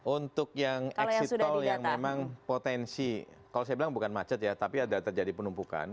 untuk yang exit tol yang memang potensi kalau saya bilang bukan macet ya tapi ada terjadi penumpukan